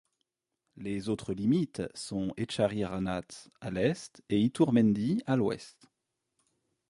Les autres limites sont Etxarri-Aranatz à l'est et Iturmendi à l'ouest.